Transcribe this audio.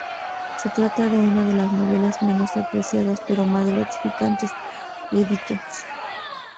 Se trata de una de las novelas menos apreciadas, pero más gratificantes, de Dickens.